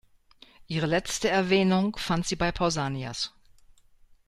Ihre letzte Erwähnung fand sie bei Pausanias.